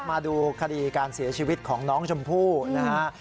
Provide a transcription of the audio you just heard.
มาดูคดีการเสียชีวิตของน้องชมพู่นะฮะ